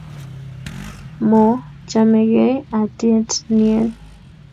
Mo chamegei etiet nien